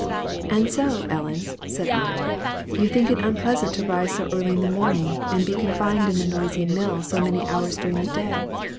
"And so, Ellen," said I, "you think it unpleasant to rise so early in the morning, and be confined in the noisy mill so many hours during the day.